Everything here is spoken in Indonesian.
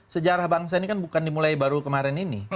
sejarah bangsa ini kan bukan dimulai baru kemarin ini